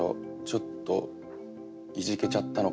ちょっといじけちゃったのかな？